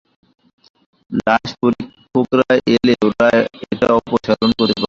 লাশ পরীক্ষকরা এলে ওরা ওটা অপসারণ করতে পারবে।